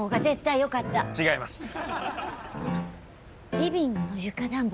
リビングの床暖房！